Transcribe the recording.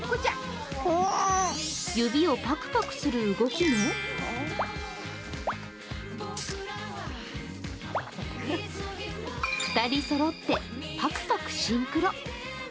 指をぱくぱくする動きも２人そろってぱくぱくシンクロ。